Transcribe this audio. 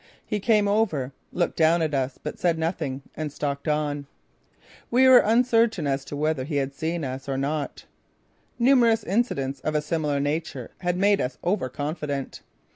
He came over, looked down at us, but said nothing and stalked on. We were uncertain as to whether he had seen us or not. Numerous incidents of a similar nature had made us overconfident.